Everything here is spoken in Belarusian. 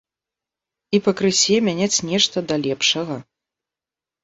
І пакрысе мяняць нешта да лепшага.